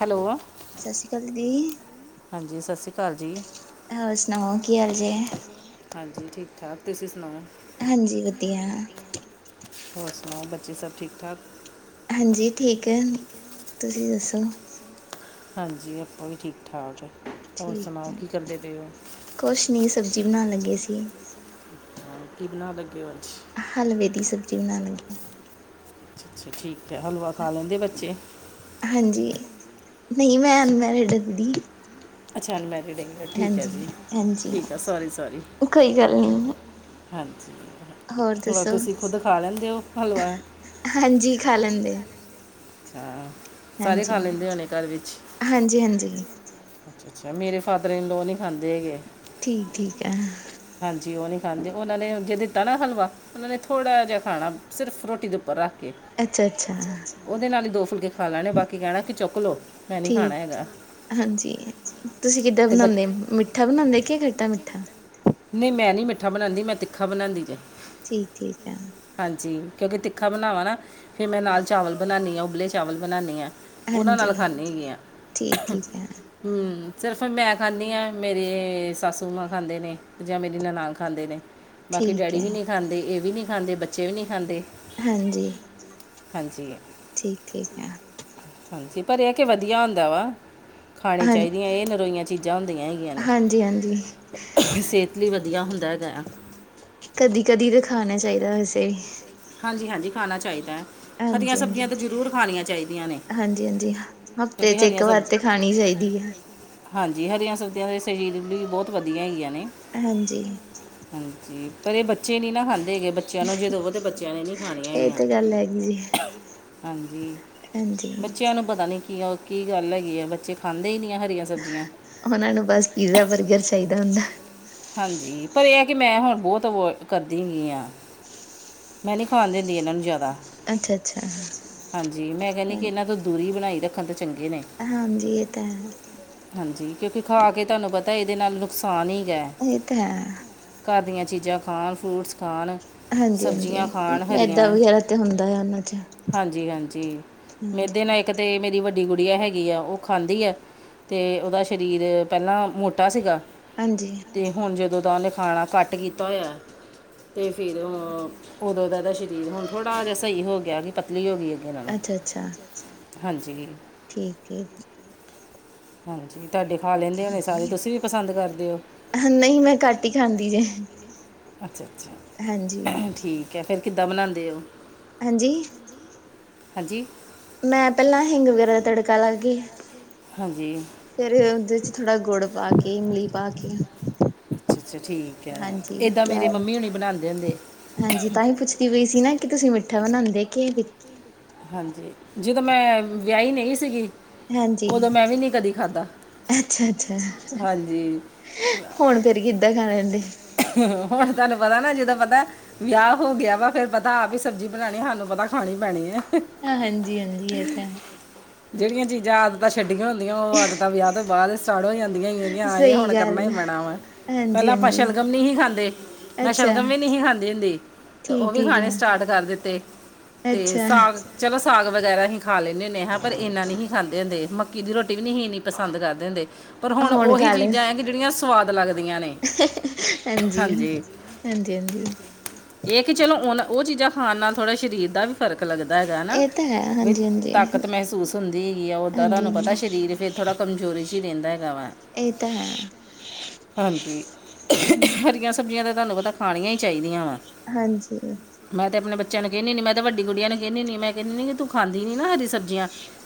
Hello. ਸ਼ਸ਼ੀ ਕਾਲ ਦੀ। ਹਾਂਜੀ ਸ਼ਸ਼ੀ ਕਾਲ ਜੀ। ਹੋਰ ਸੁਣਾਓ ਕੀ ਹਾਲ ਜੇ? ਹਾਂਜੀ ਠੀਕ-ਠਾਕ, ਤੁਸੀਂ ਸੁਣਾਓ? ਹਾਂਜੀ ਵਦੀਆ। ਹੋਰ ਸੁਣਾਓ, ਬੱਚੇ ਸਭ ਠੀਕ-ਠਾਕ? ਹਾਂਜੀ ਠੀਕ ਐ, ਤੁਸੀਂ ਦੱਸੋ? ਹਾਂਜੀ, ਆਪਾਂ ਵੀ ਠੀਕ-ਠਾਕ। ਠੀਕ ਐ। ਕੋਛ ਨੀ ਸਬਜ਼ੀ ਬਣਾਣ ਲੱਗੇ ਸੀ। ਅੱਛਾ, ਕੀ ਬਣਾਨ ਲੱਗੇ ਓ ਅੱਜ? ਅੱਛਾ, ਹਲਵੇ ਦੀ ਸਬਜ਼ੀ ਬਣਾਨ ਲੱਗੀ ਆਂ। ਅੱਛਾ-ਅੱਛਾ ਠੀਕ ਐ। ਹਲਵਾ ਖਾ ਲੈਂਦੇ ਬੱਚੇ? ਹਾਂਜੀ, ਨਹੀਂ ਮੈਂ ਅਨਮੈਰਿਡ ਦੀ ਅੱਛਾ ਅਨਮੈਰਿਡ ਈਂਗ ਠੀਕ ਐ ਜੀ। ਹਾਂਜੀ ਠੀਕ ਆ ਸੋਰੀ-ਸੋਰੀ। ਕੋਈ ਗੱਲ ਨਹੀਂ ਹਾਂਜੀ, ਹੋਰ ਤੁਸੀਂ ਖੁਦ ਖਾ ਲੈਂਦੇ ਓ ਹਲਵਾ? ਹਾਂਜੀ, ਖਾ ਲੈਂਦੇ ਆਂ। ਅੱਛਾ, ਸਾਰੇ ਖਾ ਲੈਂਦੇ ਹੋਣੇ ਘਰ ਵੀਚ। ਹਾਂਜੀ ਹਾਂਜੀ। ਅੱ ਅੱਛਾ, ਮੇਰੇ ਫਾਦਰ ਈਨ ਲੋ ਨੀ ਖਾਂਦੇ ਹੈਗੇ। ਠੀਕ ਠੀਕ ਐ। ਹਾਂਜੀ, ਓ ਨੀ ਖਾਂਦੇ ਓਨਾਂ ਨੂੰ ਜੇ ਦਿੱਤਾ ਨਾ ਹਲਵਾ ਓਨਾਂ ਨੇ ਥੋੜਾ ਜਾ ਖਾਣਾ ਸਿਰਫ ਰੋਟੀ ਦੇ ਉੱਪਰ ਰੱਖ ਕੇ। ਅੱਛਾ-ਅੱਛਾ। ਓਦੇ ਨਾਲ ਈ ਦੋ ਫੁਲਕੇ ਖਾ ਲੈਣੇ ਬਾਕੀ ਕੈਣਾ ਕੀ ਚੋਕ ਲੋੋ ਮੈਂ ਨੀ ਠੀਕ ਖਾਣਾ ਹੈਗਾ ਹਾਂਜੀ, ਤੁਸੀਂ ਕਿੱਦਾਂ ਤੇ ਬੱਚ- ਬਣਾਂਦੇ ਮਿੱਠਾ ਬਨਾਂਦੇ ਕੇ ਖੱਟਾ-ਮਿੱਠਾ ਨਈ ਮੈਂ ਨੀ ਮਿੱਠਾ ਬਨਾਂਦੀ ਮੈਂ ਤਿੱਖਾ ਬਨਾਂਦੀ ਜੇ ਠੀਕ ਠੀਕ ਐ। ਹਾਂਜੀ, ਕਿਉਂਕਿ ਤਿੱਖਾ ਬਨਾਵਾਂ ਨਾ ਫੇਰ ਮੈਂ ਨਾਲ ਚਾਵਲ ਬਨਾਨੀ ਆਂ ਉਬਲੇ ਚਾਵਲ ਬਨਾਨੀ ਆਂ। ਓਨਾਂ ਨਾਲ ਹਾਂਜੀ ਖਾਨੀ ਐਗੀ ਆਂ। ਠੀਕ ਠੀਕ ਹੈ ਹਮ ਸਿਰਫ ਮੈਂ ਖਾਨੀ ਆਂ, ਮੇਰੇ ਸਾਸੂ ਮਾਂ ਖਾਂਦੇ ਨੇ ਜਾਂ ਮੇਰੀ ਨਨਾਨ ਖਾਂਦੇ ਨੇ। ਬਾਕੀ ਠੀਕ ਡੈਡੀ ਹੈ ਵੀ ਨੀ ਖਾਂਦੇ, ਏ ਵੀ ਨੀ ਖਾਂਦੇ ਬੱਚੇ ਵੀ ਨੀ ਖਾਂਦੇ। ਹਾਂਜੀ। ਹਾਂਜੀ। ਠੀਕ ਠੀਕ ਐ। ਹਾਂਜੀ ਪਰ ਏ ਕੀ ਵਧੀਆ ਹੁੰਦਾ ਵਾ ਖਾਣੀ ਹਾਂ ਚਾਈਦੀਆਂ ਏ ਨਰੋਈਆਂ ਚੀਜ ਜਾਂ ਹੁੰਦੀਆਂ ਹੈਗੀਆਂ ਨੇ ਹਾਂਜੀ ਹਾਂਜੀ ਸਿਹਤ ਲਈ ਵਧੀਆ ਹੁੰਦਾ ਹੈਗਾ ਆ‌। ਕਦੀ ਕਦੀ ਤੇ ਖਾਨਾ ਚਾਹੀਦੈ ਵੈਸੇ ਹਾਂਜੀ ਹਾਂਜੀ ਖਾਨਾ ਚਾਈਦੈ। ਹਰੀਆਂ ਹਾਂਜੀ ਸਬਜ਼ੀਆਂ ਹਾਂਜੀ ਤਾਂ ਜ਼ਰੂਰ ਖਾਨੀਆਂ ਚਾਈਦੀਆਂ ਨੇ ਹਾਂਜੀ ਹਾਂਜੀ ਹਫ਼ਤੇ ਕਿਉਂਕਿ ਚ ਇੱਕ ਹਰੀਆਂ ਵਾਰ ਸਬ ਤੇ ਖਾਣੀ ਚਾਹੀਦੀ ਐ ਹਾਂਜੀ, ਹਰੀਆਂ ਸਬਜ਼ੀਆਂ ਦੇ ਸਰੀਰ ਲਈ ਵੀ ਬਹੁਤ ਵਧੀਆਂ ਹੈਗੀਆਂ ਨੇ ਹਾਂਜੀ। ਹਾਂਜੀ, ਪਰ ਏ ਬੱਚੇ ਨੀ ਨਾ ਖਾਂਦੇ ਹੈਗੇ ਬੱਚਿਆਂ ਨੂੰ ਜੇ ਦਵੋ ਤੇ ਬੱਚੇ ਨੇ ਨੀ ਖਾਣੀਆਂ ਇਹ ਹੈਗੀਆ, ਤੇ ਗੱਲ ਹੈਗੀ ਜੀ ਹਾਂਜੀ ਹਾਂਜੀ ਬੱਚੇ ਬੱਚਿਆਂ ਨੂੰ ਪਤਾ ਨੀ ਕੀ ਕੀ ਗੱਲ ਐਗੀ ਆ ਬੱਚੇ ਖਾਂਦੇ ਈ ਨੀ ਆ ਹਰੀਆਂ ਸਬਜ਼ੀਆਂ। ਓਨਾਂ ਨੂੰ ਬਸ ਪੀਜ਼ਾ-ਬਰਗਰ ਚਾਹੀਦਾ ਹੁੰਦਾ। ਹਾਂਜੀ ਪਰ ਏ ਐ ਕੀ ਮੈਂ ਹੁਣ ਬੋਤ ਵੋ ਕਰਦੀ ਹੈਗੀ ਆਂ। ਮੈਂ ਨੀ ਖਾਨ ਦਿੰਦੀ ਇਨਾਂ ਨੂੰ ਜਾਦਾ ਅੱਛਾ ਅੱਛਾ ਹਾਂਜੀ ਮੈਂ ਕਹਿਣੀ, ਹਾਂ ਕਿ ਇਹਨਾਂ ਤੋਂ ਦੂਰੀ ਬਣਾਈ ਰੱਖਣ ਤੇ ਚੰਗੇ ਨੇ। ਹਾਂਜੀ ਇਹ ਤਾਂ ਹੈ‌। ਹਾਂਜੀ, ਕਿਉਂਕਿ ਖਾ ਕੇ ਤੁਹਾਨੂੰ ਪਤਾ ਇਹਦੇ ਨਾਲ਼ ਨੁਕਸਾਨ ਈ ਗਾ। ਇਹ ਤੇ ਹੈ। ਘਰ ਦੀਆਂ ਚੀਜ਼ਾਂ ਖਾਣ ਫ਼ਰੂਟਸ ਖਾਣ। ਹਾਂਜੀ- ਹਾਂਜੀ ਸਬਜ਼ੀਆਂ ਖਾਣ ਮੈਦਾ ਹਰੀਆਂ ਵਗੈਰਾ ਤੇ ਹੁੰਦਾ ਆ ਉਹਨਾਂ ਚ। ਮੈਦੇ ਹਾਂਜੀ ਨਾ ਇੱਕ ਤਾਂ ਮੇਰੀ ਵੱਡੀ ਗੁੜੀਆਂ ਹੈਗੀ ਆ ਉਹ ਖਾਂਦੀ ਆ। ਅਤੇ ਉਹਦਾ ਸਰੀਰ ਪਹਿਲਾਂ ਮੋਟਾ ਸੀਗਾ ਹਾਂਜੀ। ਅਤੇ ਹੁਣ ਜਦੋਂ ਤਾਂ ਉਹਨੇ ਖਾਣਾ ਘੱਟ ਕੀਤਾ ਹੋਇਆਂ ਤੇ ਫ਼ਿਰ ਉਦੋਂ ਦਾ ਦਾ ਸਰੀਰ ਹੁਣ ਥੋੜ੍ਹਾ ਜਾ ਸਹੀ ਹੋ ਗਿਆ। ਪਤਲੀ ਹੋ ਗਈ ਅੱਗੇ ਨਾਲੋਂ, ਹਾਂਜੀ। ਠੀਕ ਏ ਜੀ। ਹਾਂਜੀ, ਤੁਹਾਡੇ ਖਾ ਲੈਂਦੇ ਹੋਣੇ ਸਾਰੇ, ਤੁਸੀਂ ਵੀ ਪਸੰਦ ਕਰਦੇ ਓ? ਨਹੀਂ ਮੈਂ ਘੱਟ ਈ ਖਾਂਦੀ ਜੇ। ਅੱਛਾ ਹਾਂਜੀ। -ਅੱਛਾ ਠੀਕ ਹੈ, ਫ਼ਿਰ ਕਿੱਦਾਂ ਬਣਾਂਦੇ ਓ? ਹਾਂਜੀ ਹਾਂਜੀ ਮੈਂ ਪਹਿਲਾਂ ਹਿੰਗ ਵਗੈਰਾ ਦਾ ਤੜਕਾ ਲਾ ਕੇ ਹਾਂਜੀ। ਫ਼ੇਰ ਉਹਦੇ ਚ ਥੋੜ੍ਹਾ ਗੁੜ ਪਾ ਕੇ ਇਮਲੀ ਪਾ ਕੇ ਅੱਛਾ -ਅੱਛਾ ਠੀਕ ਐ, ਹਾਂਜੀ ਏਦਾਂ ਮੇਰੇ ਮੰਮੀ ਹੁਣੀ ਬਣਾਂਦੇ ਹੁੰਦੇ। ਹਾਂਜੀ ਤਾਂ ਹੀ ਪੁੱਛਦੀ ਪਈ ਸੀ ਨਾ ਕਿ ਤੁਸੀਂ ਮਿੱਠਾ ਬਣਾਉਂਦੇ ਕੇ ਵੀ ਹਾਂਜੀ ਜਦੋਂ ਮੈਂ ਵਿਆਹੀ ਨਹੀਂ ਸੀਗੀ, ਉਦੋਂ ਮੈਂ ਵੀ ਨਹੀ ਕਦੀ ਖਾਧਾ। ਅੱਛਾ -ਅੱਛਾ ਹੁਣ ਫਿਰ ਕਿੱਦਾਂ ਖਾਣ ਲੈਂਦੇ? ਹੁਣ ਤੁਹਾਨੂੰ ਪਤਾ ਨਾ ਜਿੱਦਾ ਪਤਾ ਵਿਆਹ ਹੋ ਗਿਆ ਵਾ, ਫੇਰ ਪਤਾ ਆਪ ਹੀ ਸਬਜ਼ੀ ਬਣਾਉਣੀ, ਸਾਨੂੰ ਪਤਾ ਖਾਣੀ ਪੈਣੀ ਐ। ਹ ਹਾਂਜੀ- ਹਾਂਜੀ ਇਹ ਤਾਂ ਹੈ। ਜਿਹੜੀਆਂ ਚੀਜ਼ਾਂ, ਆਦਤਾਂ ਛੱਡੀਆਂ ਹੁੰਦੀਆਂ ਉਹ ਆਦਤਾਂ ਵਿਆਹ ਤੋਂ ਬਾਅਦ ਸੜ ਹੋ ਜਾਂਦੀਆਂ ਹੈਗੀਆਂ, ਇਹ ਸਹੀ ਹੁਣ ਕਰਨਾ ਹੀ ਗੱਲ ਪੈਣਾਵਾ, ਪਹਿਲਾਂ ਆਪਾਂ ਹਾਂਜੀ-ਹਾਂਜੀ ਸ਼ਲਗਮ ਨਹੀਂ ਸੀ ਖਾਂਦੇ। ਮੈਂ ਅੱਛਾ ਸ਼ਲਗਮ ਵੀ ਨਹੀਂ ਸੀ ਖਾਂਦੀ ਹੁੰਦੀ, ਤੇ ਉਹ ਵੀ ਠੀਕ-ਠੀਕ ਖਾਣੇ ਆ ਸਟਾਟ ਕਰ ਦਿੱਤੇ, ਤੇ ਅੱਛਾ ਸਾਗ ਚਲੋ ਸਾਗ ਵਗੈਰਾ ਹੀਂ ਖਾ ਲੈਂਨੇ ਹੁੰਨੇ ਆ। ਪਰ ਇੰਨਾ ਨਹੀਂ ਸੀ ਖਾਂਦੇ ਹੁੰਦੇ, ਮੱਕੀ ਦੀ ਰੋਟੀ ਵੀ ਨਹੀਂ ਇੰਨੀ ਪਸੰਦ ਕਰਦੇ ਹੁੰਦੇ, ਪਰ ਹੁਣ ਉਹੀ ਖਾ ਲੈ ਚੀਜ਼ਾਂ ਹੈ ਜਿਹੜੀਆਂ ਸਵਾਦ ਲੱਗਦੀਆਂ ਨੇ। ਹਾਂਜੀ -ਹਾਂਜੀ -ਹਾਂਜੀ! ਇਹ ਕਿ ਚਲੋ ਉਣ ਉਹ ਚੀਜ਼ਾਂ ਖਾਣ ਨਾਲ ਥੋੜ੍ਹਾ ਸਰੀਰ ਦਾ ਵੀ ਫਰਕ ਲੱਗਦਾ ਹੈਗਾ ਹਨਾ, ਇਹ ਤਾਂ ਹੈ ਵੀ ਹਾਂਜੀ-ਹਾਂਜੀ ਤਾਕਤ ਤ ਮਹਿਸੂਸ ਹੁੰਦੀ ਹੈਗੀ ਆ, ਓਦਾਂ ਹਾਂਜੀ ਤੁਹਾਨੂੰ ਪਤਾ ਹਾਂਜੀ ਸਰੀਰ ਫਿਰ ਥੋੜਾ ਕਮਜੋਰੀ ਚ ਹੀ ਰਹਿੰਦਾ। ਇਹ ਤਾਂ ਹੈ ਹਾਂਜੀ, ਹਰੀਆਂ ਸਬਜ਼ੀਆਂ ਤਾਂ ਤੁਹਾਨੂੰ ਪਤਾ ਖਾਣੀਆਂ ਹੀ ਚਾਹੀਦੀਆਂ ਵਾ। ਹਾਂਜੀ। ਮੈਂ ਤੇ ਆਪਣੇ ਬੱਚਿਆਂ ਨੂੰ ਕਹਿਨੀ ਹੂਨੀ ਆ, ਮੈਂ ਤੇ ਵੱਡੀ ਗੁੜੀਆਂ ਨੂੰ ਹੀ ਕਹਿਨੀ ਹੂਨੀ ਆ, ਮੈਂ ਕਹਿ ਦੈਨੀ ਆ ਤੂੰ ਖਾਦੀ ਨੀ ਨਾ ਹਰੀ ਸਬਜੀ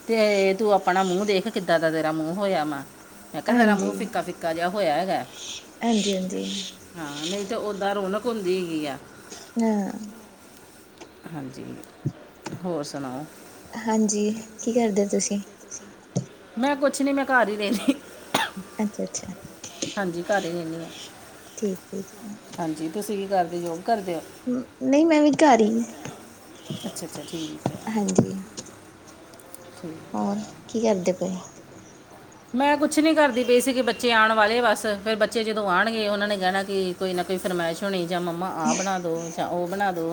ਤੇ ਤੂੰ ਆਪਣਾ ਮੂੰਹ ਦੇਖ ਕਿੱਦਾਂ ਦਾ ਤੇਰਾ ਮੂੰਹ ਹੋਇਆ ਵਾ, ਮੈਂ ਕਿਹਾ ਤੇਰਾ ਮੂੰਹ ਹਾਂਜੀ ਫਿੱਕਾ -ਫਿੱਕਾ ਫਿੱਕਾ ਜਿਹਾ ਹੋਇਆ ਹੈਗਾ। ਹਾਂਜੀ- ਹਾਂਜੀ। ਹਾਂ, ਨਈ ਤਾਂ ਓਦਾਂ ਰੌਣਕ ਹੁੰਦੀ ਹੈਗੀ ਆ। ਹਾਂ। ਹਾਂਜੀ, ਹੋਰ ਸੁਣਾਓ? ਹਾਂਜੀ, ਕੀ ਕਰਦੇ ਓ ਤੁਸੀਂ? ਮੈਂ ਕੁਛ ਨੀ ਮੈਂ ਘਰ ਈ ਰੈਨੀ [unintelligible] ਅੱਛਾ -ਅੱਛਾ। ਹਾਂਜੀ ਘਰੇ ਈ ਰੈਨੀ ਆ। ਠੀਕ ਏ ਜੀ। ਹਾਂਜੀ, ਤੁਸੀਂ ਕੀ ਕਰਦੇ ਜੋਬ ਕਰਦੇ ਓ? ਨਈ ਮੈਂ ਵੀ ਘਰ ਈ, ਅੱਛਾ ਅੱਛਾ ਠੀਕ ਹੈ ਹਾਂਜੀ। [unintelligible] ਹੋਰ, ਕੀ ਕਰਦੇ ਪਏ ਓ? ਮੈਂ ਕੁਛ ਨੀਂ ਕਰਦੀ ਪਈ ਸੀਗੀ ਬੱਚੇ ਆਣ ਵਾਲੇ ਬਸ ਫੇਰ ਬੱਚੇ ਜਦੋਂ ਆਣਗੇ ਓਨਾਂ ਨੇ ਕੈਣਾ ਕਿ ਕੋਈ ਨਾ ਕੋਈ ਫਰਮਾਇਸ਼ ਹੋਣੀ ਜਾਂ ਮੰਮਾ ਆਹ ਬਣਾ ਦੋ ਯਾਂ ਓ ਬਣਾ ਦੋ।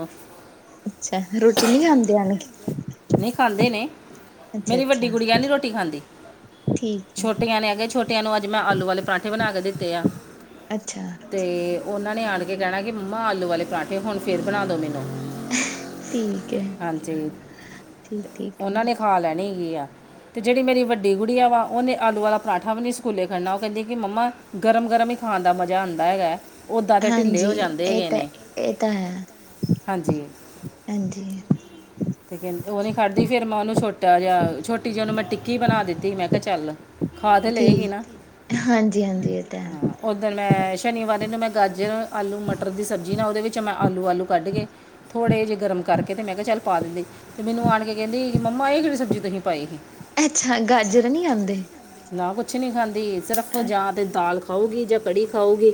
ਅੱਛਾ, ਰੋਟੀ ਨੀ ਖਾਂਦੇ ਆਣ ਕੇ? ਨਹੀਂ ਖਾਂਦੇ ਨੇ ਅੱਛਾ ਮੇਰੀ ਅੱਛਾ ਵੱਡੀ ਗੁੜੀਆ ਨੀ ਰੋਟੀ ਖਾਂਦੀ। ਠੀਕ ਹੈ ਛੋਟੀਆਂ ਨੇ ਆ ਕੇ, ਛੋਟੀਆਂ ਨੂੰ ਅੱਜ ਮੈਂ ਆਲੂ ਵਾਲੇ ਪਰਾਂਠੇ ਬਣਾ ਕੇ ਦਿੱਤੇ ਆ ਅੱਛਾ ਤੇ ਓਨਾਂ ਨੇ ਆਣ ਕੇ ਕੈਣਾ ਕਿ ਮੰਮਾ ਆਲੂ ਵਾਲੇ ਪਰਾਠੇ ਹੁਣ ਫੇਰ ਬਣਾ ਦਉ ਮੈਨੂੰ। [unintelligible] ਠੀਕ ਏ। ਹਾਂਜੀ ਠੀਕ-ਠੀਕ ਉਹਨਾਂ ਨਾ। ਨੇ ਖਾ ਲੈਣੀ ਹੈਗੀ ਆ, ਤੇ ਜੇੜੀ ਮੇਰੀ ਵੱਡੀ ਗੁੜੀਆ ਵਾ ਓਨੇ ਆਲੂ ਵਾਲਾ ਪਰਾਂਠਾ ਵੀ ਨੀ ਸਕੂਲੇ ਖਲਨਾ, ਓ ਕੈਂਦੀ ਕਿ ਮੰਮਾ ਗਰਮ- ਗਰਮ ਈ ਖਾਣ ਦਾ ਮਜ਼ਾ ਆਂਦਾ ਹੈਗਾ। ਉਦਾਂ ਤੇ ਢਿੱਲੇ ਹਾਂਜੀ ਹੋ ਜਾਂਦੇ ਏ ਹੈਗੇ ਤਾਂ, ਨੇ ਏ ਤਾਂ ਹੈ। ਹਾਂਜੀ ਹਾਂਜੀ। ਤੇ ਕੈਂ, ਓ ਨੀ ਖਾਦੀ ਫੇਰ ਮੈਂ ਉਨੂੰ ਛੋਟਾ ਜਿਆ ਛੋਟੀ ਜੀ ਉਨੂੰ ਮੈਂ ਟਿੱਕੀ ਬਣਾ ਦਿੱਤੀ ਮੈਂ ਕਿਆ ਚੱਲ। ਖਾ ਤੇ ਲਏਗੀ ਠੀਕ, ਨਾ ਹਾਂਜੀ -ਹਾਂਜੀ ਏ ਤਾਂ ਹੈ। ਓਦਨ ਮੈਂ ਸ਼ਨੀਵਾਰ ਐਨੂੰ ਮੈਂ ਗਾਜਰ, ਆਲੂ ਲ, ਮਟਰ ਦੀ ਸਬਜ਼ੀ ਨਾ ਉਦੇ ਵਿੱਚ ਮੈਂ ਆਲੂ-ਆਲੂ ਕੱਢ ਕੇ ਥੋੜੇ ਜੇ ਗਰਮ ਕਰਕੇ ਤੇ ਮੈਂ ਕਿਆ ਚੱਲ ਪਾ ਦਿੰਦੀ ਤੇ ਮੈਨੂੰ ਆਣ ਕੇ ਕੈਂਦੀ ਮੰਮਾ ਏ ਕੇੜੀ ਸਬਜ਼ੀ ਤੁਹੀ ਪਾਈ ਸੀ। ਅੱਛਾ, ਗਾਜਰ ਨੀ ਆਂਦੇ। ਨਾ ਕੁਛ ਨੀ ਖਾਂਦੀ ਸਿਰਫ ਜਾਂ ਤੇ ਦਾਲ ਖਾਓਗੀ ਜਾਂ ਕੜੀ ਖਾਓਗੀ।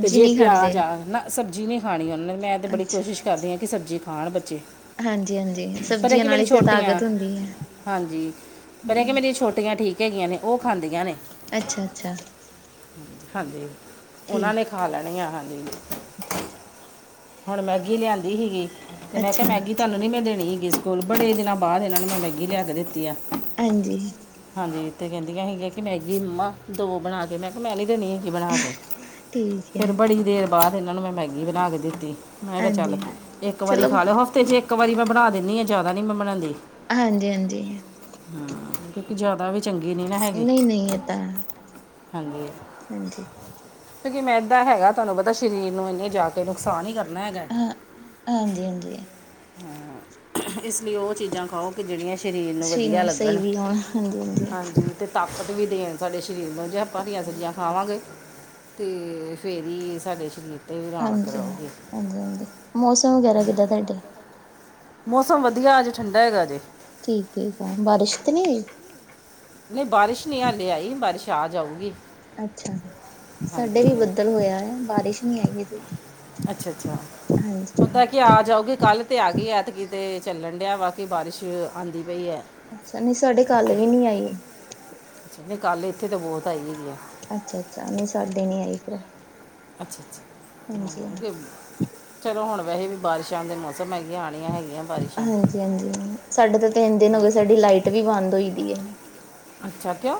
ਤੇ ਜੇ ਨਹੀਂ ਖਾਂਦੇ ਪਿਆਜ਼ ਆਨ ਨਾ ਸਬਜ਼ੀ ਨੀ ਖਾਣੀ ਓਨੇ, ਮੈਂ ਤਾਂ ਬੜੀ ਅੱਛਾ ਕੋਸ਼ਿਸ਼ ਕਰਦੀ ਆ ਕਿ ਸਬਜ਼ੀ ਖਾਣ ਬੱਚੇ। ਹਾਂਜੀ-ਹਾਂਜੀ ਪਰ ਇਹ ਸਬਜ਼ੀਆਂ ਕਿ ਨਾਲ ਮੇਰੀ ਈ ਤੇ ਛੋਟੀਆਂ ਤਾਕਤ ਹੁੰਦੀ ਐ, ਹਾਂਜੀ ਪਰ ਇਹ ਕਿ ਹੂੰ। ਮੇਰੀ ਛੋਟੀਆਂ ਠੀਕ ਹੈਗੀਆਂ ਨੇ ਓ ਖਾਂਦੀਆਂ ਨੇ। ਅੱਛਾ-ਅੱਛਾ। ਹਾਂਜੀ, ਓਨਾਂ ਠੀਕ ਨੇ ਖਾਂ ਲੈਣੀ ਐ ਹਾਂਜੀ। ਹੁਣ ਮੈਗੀ ਲਿਆਂਦੀ ਸੀਗੀ ਤੇ ਮੈਂ ਕਿਆ ਅੱਛਾ ਮੈਗੀ ਤਾਨੂੰ ਨੀ ਮੈਂ ਦੇਣੀ ਹੈਗੀ ਸਕੂਲ, ਬੜੇ ਦਿਨਾਂ ਬਾਅਦ ਐਨਾਂ ਨੂੰ ਮੈਂ ਮੈਗੀ ਲਿਆ ਕੇ ਦਿੱਤੀ ਆ। ਹਾਂਜੀ। ਹਾਂਜੀ, ਤੇ ਕੈਂਦੀਆਂ ਹੈਗੀਆਂ ਕਿ ਮੈਗੀ ਮੰਮਾ ਦੋ ਬਣਾ ਕੇ, ਮੈਂ ਕਿਆ ਮੈਂ ਨੀ ਦੇਣੀ ਮੈਗੀ ਬਣਾ ਕੇ ਠੀਕ ਹੈ ਫੇਰ ਬੜੀ ਦੇਰ ਬਾਅਦ ਐਨਾਂ ਨੂੰ ਮੈਂ ਮੈਗੀ ਬਣਾ ਕੇ ਦਿੱਤੀ। ਮੈਂ ਕਿਆ ਚੱਲ ਹਾਂਜੀ ਏਕ ਵਾਰੀ ਚਲੋ ਖਾ ਲਓ, ਹਫ਼ਤੇ ਚ ਏਕ ਵਾਰੀ ਮੈਂ ਬਣਾ ਦੇਨੀ ਆ ਜਾਦਾ ਨੀ ਮੈਂ ਬਣਾਂਦੀ। ਹਾਂਜੀ-ਹਾਂਜੀ। ਹਾਂ, ਕਿਉਂਕਿ ਜਾਦਾ ਵੀ ਚੰਗੀ ਨੀ ਨਾ ਹੈਗੀ, ਨਹੀਂ-ਨਹੀਂ ਇਹ ਤਾਂ ਹਾਂਜੀ। ਹਾਂਜੀ। ਕਿਉਂਕਿ ਮੈਂਦਾ ਹੈਗਾ ਤੁਆਨੂੰ ਪਤਾ ਸ਼ਰੀਰ ਨੂੰ ਐਨੇ ਜਾ ਕੇ ਨੁਕਸਾਨ ਈ ਕਰਨਾ ਹੈਗਾ। ਹਾਂ, ਹਾਂਜੀ-ਹਾਂਜੀ। ਇਸ ਲਈ ਉਹ ਚੀਜ਼ਾਂ ਖਾਓ ਕਿ ਜਿਹੜੀਆ ਸਰੀਰ ਨੂੰ ਵਧੀਆ ਲੱਗ ਜੀ ਹਾਂ, ਹਾਂਜੀ-ਹਾਂਜੀ। ਤੇ ਤਾਕਤ ਵੀ ਦੇਣ ਸਾਡੇ ਸਰੀਰ ਨੂੰ ਜੇ ਆਪਾਂ ਇਹੋ ਜੀਆ ਖਾਵਾਂਗੇ। ਤੇ ਫੇਰ ਹੀ ਸਾਡੇ ਸ਼ਰੀਰ ਹਾਂਜੀ ਹਾਂ, ਹਾਂਜੀ- ਹਾਂਜੀ ਮੌਸਮ ਵਗੈਰਾ ਕਿੱਦਾਂ ਤੁਹਾਡੇ। ਮੌਸਮ ਵਧੀਆ ਅਜੇ ਠੰਡਾ ਹੈਗਾ ਜੇ। ਠੀਕ ਏ ਬਾਰਸ਼ ਤਾਂ ਨੀ ਹੋਈ? ਨਹੀਂ ਬਾਰਿਸ਼ ਨਹੀਂ ਹਾਲੇ ਆਈ ਬਾਰਿਸ਼ ਆ ਜਾਊਗੀ। ਅੱਛਾ, ਹਾਂਜੀ ਸਾਡੇ ਵੀ ਬੱਦਲ ਹੋਇਆ ਹੈ ਬਾਰਿਸ਼ ਨਹੀ ਆਈ ਹਜੇ। ਅੱਛਾ-ਅੱਛਾ, ਹਾਂਜੀ। ਓਦਾਂ ਕਿ ਆ ਜਾਓਗੀ ਕੱਲ ਤੇ ਆ ਗਈ ਐ ਐਤਕੀ ਤੇ ਚੱਲਣ ਡਿਆ ਵਾ ਕਿ ਬਾਰਿਸ਼ ਆਂਦੀ ਪਈ ਆ। ਅੱਛਾ ਨਹੀਂ ਸਾਡੇ ਕੱਲ ਵੀ ਨੀ ਆਈ। ਅੱਛਾ ਨਹੀਂ ਕੱਲ ਇੱਥੇ ਤਾਂ ਬਹੁਤ ਆਈ ਹੈਗੀ ਆ। ਅੱਛਾ-ਅੱਛਾ ਨਹੀਂ ਸਾਡੇ ਨੀ ਆਈ ਫੇਰ। ਅੱਛਾ-ਅੱਛਾ ਹਾਂ ਤੇ ਚਲੋ ਹੁਣ ਵੈਸੇ ਵੀ ਬਾਰਿਸ਼ਾਂ ਦੇ ਮੌਸਮ ਹੈਗੀਆਂ ਆਣੀਆ ਹੈਗੀਆ। ਹਾਂਜੀ-ਹਾਂਜੀ ਸਾਡੇ ਤੇ ਤਿੰਨ ਦਿਨ ਹੋ ਗਏ ਸਾਡੇ ਲਾਈਟ ਵੀ ਬੰਦ ਹੋਈ ਪਈ ਆ। ਅੱਛਾ ਕਿਉਂ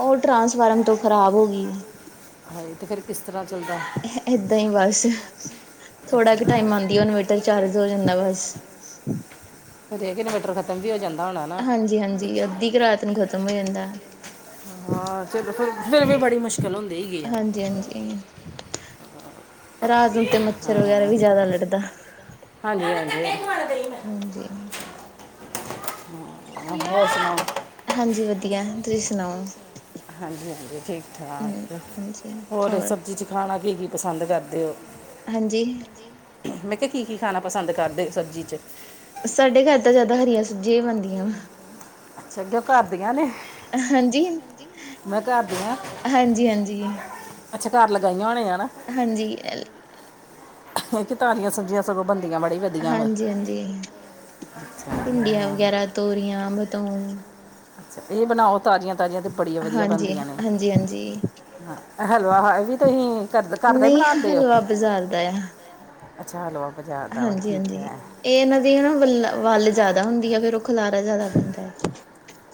ਉਹ ਟਰਾਂਸਫਾਰਮ ਤੋਂ ਖ਼ਰਾਬ ਹੋ ਗਈ। [unintelligible] ਤੇ ਫਿਰ ਕਿਸ ਤਰ੍ਹਾਂ ਚੱਲਦਾ‌। ਏਦਾਂ ਹੀ ਬਸ, ਥੋੜਾ ਅੱਛਾ ਕੁ ਟਾਈਮ ਅੱਛਾ ਆਂਦੀ ਇਨਵੇਰਟਰ ਚਾਰਜ ਹੋ ਜਾਂਦਾ ਬਸ। ਕਦੇ ਇਹ ਵੀ ਇਨਵੇਰਟਰ ਖਤਮ ਵੀ ਹੋ ਜਾਂਦਾ ਹੋਣਾ ਨਾ [unintelligible] ਹਾਂਜੀ-ਹਾਂਜੀ ਅੱਧੀ ਕੁ ਰਾਤ ਨੂੰ ਖ਼ਤਮ ਹੋ ਜਾਂਦਾ ਹਾਂ ਚਲੋ ਫਿਰ, ਫਿਰ ਵੀ ਬੜੀ ਮੁਸ਼ਕਿਲ ਹੁੰਦੀ ਐ ਗਈ ਆ। ਹਾਂਜੀ-ਹਾਂਜੀ ਰਾਤ ਨੂੰ ਤੇ ਮੱਛਰ ਵਗੈਰਾ ਹਾਂ ਵੀ ਜ਼ਿਆਦਾ ਲੜਦਾ। ਹਾਂਜੀ [unintelligible] ਹਾਂ ਹੋਰ ਸੁਣਾਓ। ਹਾਂਜੀ, ਵਧੀਆ ਤੁਸੀਂ ਸੁਣਾਓ। ਹਾਂਜੀ-ਹਾਂਜੀ, ਹੂੰ ਠੀਕ-ਠਾਕ, ਹਾਂਜੀ ਹੋਰ ਸਭ ਚ ਖਾਣਾ ਕੀ-ਕੀ ਪਸੰਦ ਕਰਦੇ ਓ? ਹਾਂਜੀ। ਮੈਂ ਕਿਹਾ ਕੀ-ਕੀ ਖਾਣਾ ਪਸੰਦ ਕਰਦੇ ਸਬਜ਼ੀ ਚ? ਸਾਡੇ ਘਰ ਤਾਂ ਜ਼ਿਆਦਾ ਹਰੀਆਂ ਸਬਜ਼ੀਆਂ ਹੀ ਬਣਦੀਆ। ਅੱਛਾ, ਉਹ ਘਰ ਦੀਆਂ ਨੇ। ਹਾਂਜੀ, ਮੈਂ ਘਰ ਦੀਆਂ ਹਾਂਜੀ- ਹਾਂਜੀ। ਅੱਛਾ, ਘਰ ਲਗਾਈਆ ਹੋਣੀਆ ਨਾ। ਹਾਂਜੀ ਅ ਇਹ ਕਿ ਘਰਦੀਆਂ ਸਬਜ਼ੀਆਂ ਸਗੋਂ ਬਣਦੀਆ ਬੜੀ ਵਧੀ ਹਾਂਜੀ-ਹਾਂਜੀ, ਅੱਛਾ ਭਿੰਡੀਆਂ ਹਾਂ। ਵਗੈਰਾ ਤੋਰੀਆਂ, ਬਤਾਓ। ਅੱਛਾ ਇਹ ਬਣਾਓ ਤਾਜ਼ੀਆਂ- ਤਾਜ਼ੀਆਂ ਤੇ ਬੜੀ ਵਧੀਆ ਹਾਂਜੀ, ਬਣਦੀਆ ਨੇ। ਹਾਂਜੀ, ਹਾਂਜੀ ਹਲਵਾ ਹ ਵੀ ਤੁਸੀਂ ਕਰ ਘਰਦਾ, ਘਰਦਾ ਨਹੀਂ ਬਣਾਦੇ ਓ। ਹਲਵਾ ਬਾਜ਼ਾਰ ਅੱਛਾ, ਹੈਲੋ। ਹਾਂਜੀ-ਹਾਂਜੀ, ਇਹ ਇਹਨਾਂ ਦੀ ਹਨਾ ਵੱਲ, ਵੱਲ ਜ਼ਿਆਦਾ ਹੁੰਦੀ ਆ ਫੇਰ ਉਹ ਖਿਲਾਰਾ ਜ਼ਿਆਦਾ ਪੈਂਦਾ ਹੈ,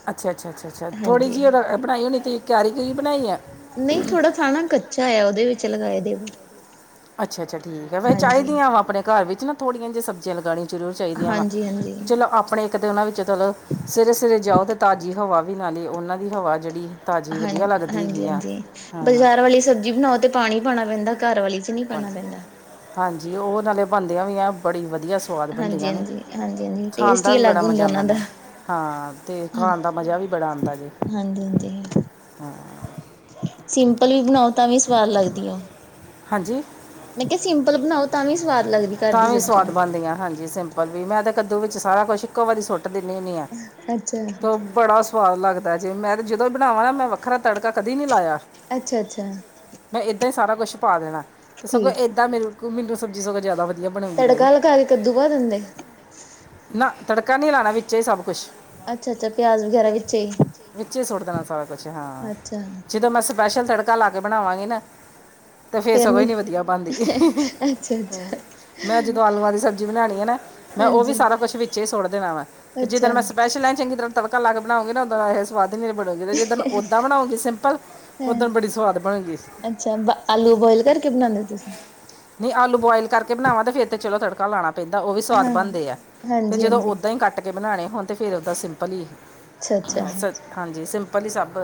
ਅੱਛਾ ਅੱਛਾ ਅੱਛਾ ਅੱਛਾ ਥੋੜੀ ਹਾਂਜੀ। ਜਿਹੀ ਉਹ ਰ- ਬਣਾਈ ਹੋਣੀ ਤੇ ਤੁਸੀ ਕਿਆਰੀ ਕੁਰੀ ਬਣਾਈ ਐ। ਨਈ ਥੋੜਾ ਥਾਂ ਨਾ ਕੱਚਾ ਆ, ਉਹਦੇ ਵਿੱਚ ਲਗਾਏ ਦੇ ਏ। ਅੱਛਾ-ਅੱਛਾ ਠੀਕ ਐ, ਵੈਸੇ ਚਾਹੀਦੀਆਂ ਵਾ ਆਪਣੇ ਘਰ ਵਿਚ ਨਾ ਥੋੜੀਆਂ ਜਿਹੀਆਂ ਨਾ ਸਬਜ਼ੀਆਂ ਲਗਾਣੀਆਂ। ਜ਼ਰੂਰ ਚਾਹੀਦੀਆਂ ਵਾ, ਹਾਂਜੀ, ਹਾਂਜੀ ਚਲੋ ਆਪਣੇ। ਇੱਕ ਤਾਂ ਉਹਨਾਂ ਵਿੱਚ ਚਲੋ, ਸਵੇਰੇ-ਸਵੇਰੇ ਜਾਓ, ਤਾਜ਼ੀ ਹਵਾ ਵੀ ਨਾਲ ਈ ਉਹਨਾਂ ਹਵਾ ਜਿਹੜੀ ਤਾਜ਼ੀ ਹਾਂ ਵਧੀਆ ਲੱਗਦੀ ਹੈਗੀ ਆ ਹਾਂਜੀ-ਹਾਂਜੀ, ਹਾਂ ਬਾਜ਼ਾਰ ਵਾਲੀ ਸਬਜ਼ੀ ਬਣਾਓ ਤੇ ਪਾਣੀ ਪਾਣਾ ਪੈਂਦਾ ਘਰ ਵਾਲੀ ਚ ਨਹੀਂ ਪਾਉਣਾ ਪੈਂਦਾ ਹਾਂਜੀ-ਹਾਂਜੀ ਉਹ ਨਾਲੇ ਬਣਦਿਆਂ ਵੀ ਐ ਬੜੀ ਵਧੀਆ ਸੀ। ਸੁਵਾਦ ਹਾਂਜੀ, ਬਣਦੀਆਂ ਨੇ, ਹਾਂਜੀ, ਹਾਂਜੀ, ਹਾਂਜੀ ਖਾਣ ਟੇਸਟ ਦਾ ਹੀ ਵੀ ਬੜਾ ਅਲੱਗ ਹੁੰਦਾ ਮਜ਼ਾ ਆਂਦਾ ਉਹਨਾਂ ਦਾ ਨੇ। ਹਾਂ, ਤੇ ਹਾਂ ਖਾਣ ਦਾ ਮਜ਼ਾ ਵੀ ਬੜਾ ਆਦਾ ਜੇ ਹਾਂਜੀ, ਹਾਂਜੀ ਹਾਂ। ਸਿੰਪਲ ਵੀ ਬਣਾਓ ਤਾਂ ਵੀ ਸਵਾਦ ਲੱਗਦੀ ਐ। ਹਾਂਜੀ। ਮੈਂ ਕਿਹਾ ਸਿੰਪਲ ਬਣਾਓ ਤਾਂ ਵੀ ਸਵਾਦ ਲੱਗ ਤਾਂ ਵੀ ਸਵਾਦ ਬਣਦੀਆਂ, ਹਾਂਜੀ ਸਿੰ ਪਰ ਵੀ, ਮੈਂ ਤਾਂ ਕੱਦੂ ਵਿੱਚ ਸਾਰਾ ਕੁਛ ਇੱਕੋ ਵਾਰੀ ਸੁੱਟ ਦਿੰਨੀ ਹੁੰਨੀ ਆ ਅੱਛਾ, ਤੇ ਉਹ ਬੜਾ ਸੁਵਾਦ ਲੱਗਦਾ ਜੇ ਮੈਂ ਤੇ ਜਦੋਂ ਬਣਾਵਾਂ ਨਾ ਮੈਂ ਵ ਵੱਖਰਾ ਤੜਕਾ ਕਦੇ ਨੀ ਲਾਇਆ, ਅੱਛਾ, ਅੱਛਾ ਮੈਂ ਇੱਦਾਂ ਈ ਸਾਰਾ ਕੁਛ ਪਾ ਦੇਣਾ। ਤੇ ਸਗੋਂ ਠੀਕ। ਏਦਾਂ ਮੈਨੂੰ ਸਬਜ਼ੀ ਸਗੋਂ ਜ਼ਿਆਦਾ ਵਧੀ ਤੜਕਾ ਲਕਾ ਕੇ ਕੱਦੂ ਪਾ ਦਿੰਦੇ? ਨਾ ਤੜਕਾ ਨੀ ਲਾਣਾ ਵਿੱਚੇ ਸਭ ਕੁਛ। ਅੱਛਾ, ਅੱਛਾ ਪਿਆਜ ਵਗੈਰਾ ਵਿੱਚੇ ਹੀ। ਵਿੱਚੇ ਸੁੱਟ ਦੇਣਾ ਸਾਰਾ ਕੁਛ ਹਾਂ, ਅੱਛਾ ਜਦੋਂ ਮੈਂ ਸਬਜੀ ਸਪੈਸ਼ਲ ਤੜਕਾ ਲਾ ਕੇ, ਬਣਾਵਾਂਗੇ ਨਾ। ਤੇ ਫੇਰ ਸਗੋਂ ਨੀ ਵਧੀਆ ਬਣਦੀ, ਅੱਛਾ, ਅੱਛਾ ਮੈਂ ਜਦੋਂ ਆਲੂਆਂ ਦੀ ਸਬ ਜੀ ਬਣਾਣੀ ਐ ਨਾ, ਮੈਂ ਉਹ ਵੀ ਹਾਂਜੀ। ਸਾਰਾ ਕੁਛ ਵਿੱਚੇ ਈ ਸੁੱਟ ਦੇਣਾ ਵਾ, ਤੇ ਜਿੱਦਣ ਅੱਛਾ ਮੈਂ ਸਪੈਸ਼ਲ ਐਨ ਚੰਗੀ ਤਰ੍ਹਾਂ ਤੜਕਾ ਲਾ ਕੇ ਬਣਾਓਗੇ ਨਾ, ਉੰਦਣ ਇਹ ਜਾ ਸਵਾਦ ਈ ਨੀ ਜਿੱਦਣ ਓਦਾਂ ਬਣਾਉਗੀਂ ਸਿੰਪਲ, ਹੈਂ ਓਦਣ ਬੜੀ ਸਵਾਦ ਬਣੂਗੀ। ਅੱਛਾ ਆਲੂ ਬੋਆਇਲ ਕਰਕੇ ਬਣਾਦੇ ਔ ਤੁਸੀਂ? ਜੇ ਆਲੂ ਬੋਆਇਲ ਕਰਕੇ ਬਣਾਵਾਂ, ਤੇ ਫੇਰ ਤੇ ਚਲੋ ਤੜਕਾ ਲਾਣਾ ਪੈਂਦਾ ਉਹ ਵੀ ਸਵਾਦ ਹਾਂ। ਬਣਦੇ ਆ। ਤੇ ਹਾਂਜੀ, ਜਦੋਂ ਹਾਂਜੀ ਈ ਕੱਟ ਕੇ ਬਣਾਣੇ ਹੋਣ, ਤੇ ਫੇਰ ਓਦਾ ਸਿੰਪਲ ਈ। ਅੱਛਾ-ਅੱਛਾ। ਹਾਂਜੀ ਸਿੰਪਲ ਈ ਸਭ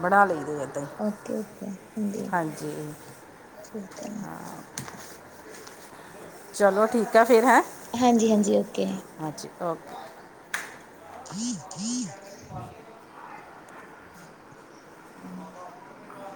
ਬਣਾ ਲਈ ਦੇ ਐ। ਓਕੇ-ਓਕੇ ਹਾਂਜੀ ਠੀਕ ਆ। ਚਲੋ, ਠੀਕ ਆ ਫਿਰ ਹੈਂ। ਹਾਂਜੀ-ਹਾਂਜੀ ਓਕੇ। ਹਾਂਜੀ, ਓਕੇ। [inaudible] ਹਾਂ। [inaudible]